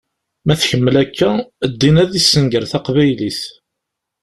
Ma tkemmel akka, ddin ad yessenger taqbaylit.